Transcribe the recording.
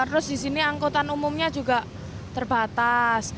terus di sini angkutan umumnya juga terbatas